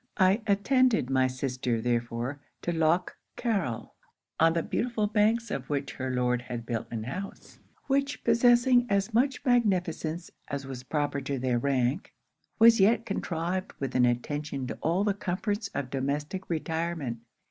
'I attended my sister therefore to Lough Carryl; on the beautiful banks of which her Lord had built an house, which possessing as much magnificence as was proper to their rank, was yet contrived with an attention to all the comforts of domestic retirement.